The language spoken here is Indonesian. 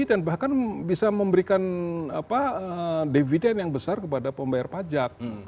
dan bahkan bisa memberikan dividend yang besar kepada pembayar pajak